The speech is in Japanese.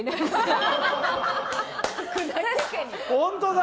ホントだ！